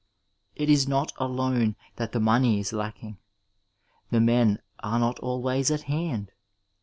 It is not alone that the money is lacking; the men are not always at hand.